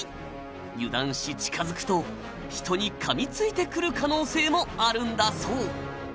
油断し近づくと人に噛みついてくる可能性もあるんだそう。